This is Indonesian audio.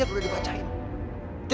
aku cuma pengen tahu aja